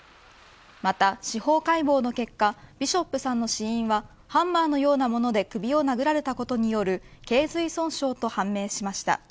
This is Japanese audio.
また、司法解剖の結果ビショップさんの死因はハンマーのようなもので首を殴られたことによる頚髄損傷と判明しました。